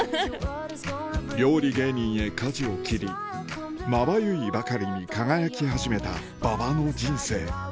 料理芸人へかじを切りまばゆいばかりに輝き始めた馬場の人生